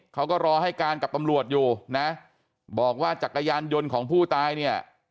เขาก็รอให้การกับตำรวจอยู่นะบอกว่าจักรยานยนต์ของผู้ตายเนี่ย